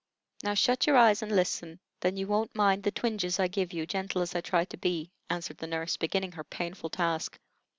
Now shut your eyes and listen; then you wont mind the twinges I give you, gentle as I try to be," answered the nurse, beginning her painful task.